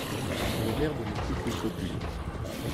Le verbe n'est plus qu'une copule.